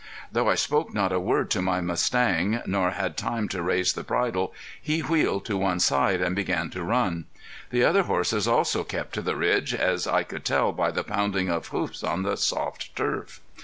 Though I spoke not a word to my mustang nor had time to raise the bridle, he wheeled to one side and began to run. The other horses also kept to the ridge, as I could tell by the pounding of hoofs on the soft turf.